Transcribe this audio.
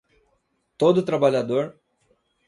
Todo trabalhador